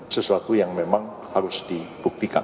sesuatu yang memang harus dibuktikan